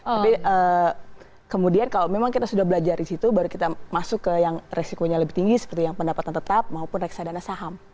tapi kemudian kalau memang kita sudah belajar di situ baru kita masuk ke yang resikonya lebih tinggi seperti yang pendapatan tetap maupun reksadana saham